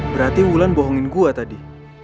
berarti wulan bohongin gue tadi